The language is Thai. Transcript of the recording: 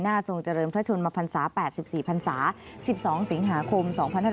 หน้าทรงเจริญพระชนมภรรษา๘๔ภรรษา๑๒สิงหาคม๒๕๕๙